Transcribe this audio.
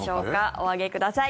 お上げください。